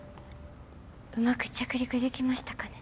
うまく着陸できましたかね？